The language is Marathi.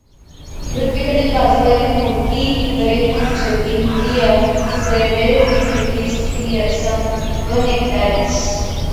पॄथ्वीकडील बाजूवरील मोठी विवरे म्हणजे इंब्रियम, सेरेनिटटिस, क्रिसियम व नेक्टारिस.